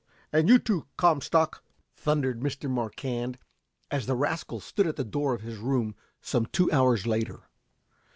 And you, too, Comstock!" thundered Mr. Marquand, as the rascals stood at the door of his room some two hours later.